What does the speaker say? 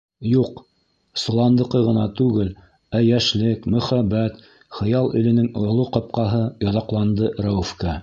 Юҡ, соландыҡы ғына түгел, ә йәшлек, мөхәббәт, хыял иленең оло ҡапҡаһы йоҙаҡланды Рәүефкә.